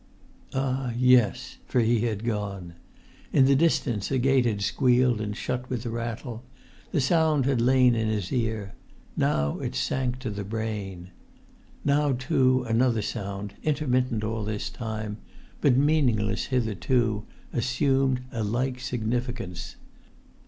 Ah, yes, for he had gone! In the distance a gate had squealed, and shut with a rattle; the sound had lain in his ear; now it sank to the brain. Now, too, another sound, intermittent all this time, but meaningless hitherto, assumed a like significance.